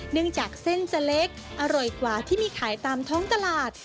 จากเส้นจะเล็กอร่อยกว่าที่มีขายตามท้องตลาด